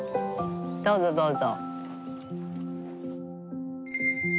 どうぞどうぞ。